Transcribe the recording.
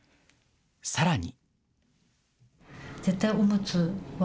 さらに。